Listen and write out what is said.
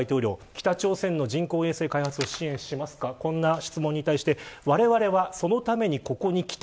北朝鮮の人工衛星開発を支援しますかという質問に対してわれわれはそのためにここに来た。